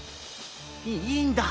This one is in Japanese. いいんだ。